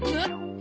え？